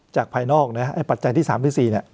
จากภายนอกปัจจัยที่๓๔เนี่ย